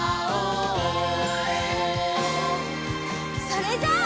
それじゃあ。